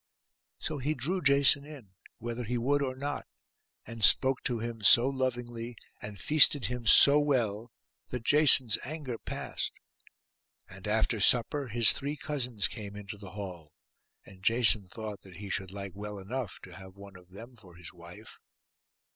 So he drew Jason in, whether he would or not, and spoke to him so lovingly and feasted him so well, that Jason's anger passed; and after supper his three cousins came into the hall, and Jason thought that he should like well enough to have one of them for his wife.